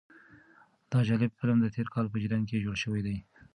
دا جالب فلم د تېر کال په جریان کې جوړ شوی دی.